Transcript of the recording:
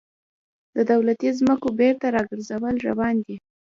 د دولتي ځمکو بیرته راګرځول روان دي